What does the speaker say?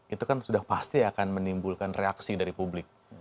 itu kan sudah pasti akan menimbulkan reaksi dari publik